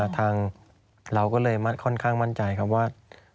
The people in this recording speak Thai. ทางเราก็เลยค่อนข้างมั่นใจครับว่า